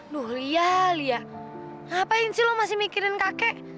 duh lia lia ngapain sih lo masih mikirin kakek